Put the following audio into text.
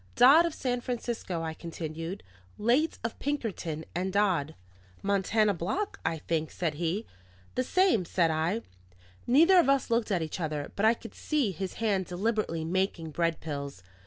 "Dodd, of San Francisco," I continued. "Late of Pinkerton and Dodd." "Montana Block, I think?" said he. "The same," said I. Neither of us looked at each other; but I could see his hand deliberately making bread pills.